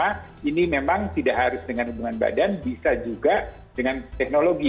karena ini memang tidak harus dengan hubungan badan bisa juga dengan teknologi